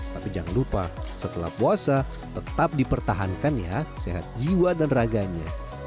tapi jangan lupa setelah puasa tetap dipertahankan ya sehat jiwa dan raganya